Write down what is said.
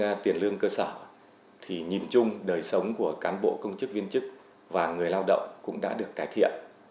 với tiền lương cơ sở thì nhìn chung đời sống của cán bộ công chức viên chức và người lao động cũng đã được cải thiện